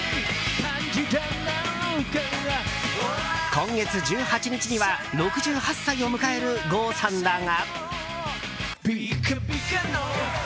今月１８日には６８歳を迎える郷さんだが。